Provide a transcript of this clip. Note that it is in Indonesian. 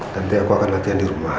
nanti aku akan latihan di rumah